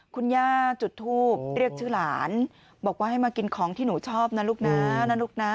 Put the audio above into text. คุณย่าจุดทูปเรียกชื่อหลานบอกว่าให้มากินของที่หนูชอบนะลูกนะนะลูกนะ